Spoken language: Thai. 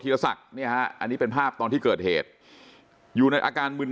ธีรษักร์เนี่ยอันนี้เป็นภาพตอนที่เกิดอยู่ในอากาศกว่ามืน